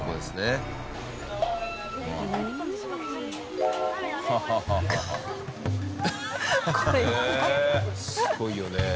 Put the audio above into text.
すごいよね。